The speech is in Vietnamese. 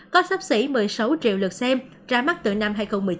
có sắp xỉ một mươi sáu triệu lượt xem ra mắt từ năm hai nghìn một mươi chín